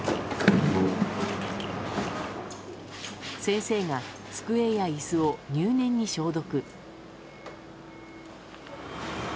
先生が机や椅子を入念に消毒。